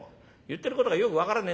言ってることがよく分からねえ。